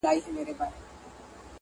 • شعرونه د یادولو وړ دي -